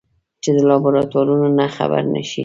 چې د لابراتوار نه خبره نشي.